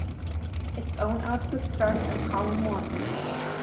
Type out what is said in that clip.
Its own output starts in column one.